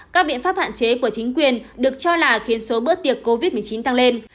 các biện pháp hạn chế của chính quyền được cho là khiến số bữa tiệc covid một mươi chín tăng lên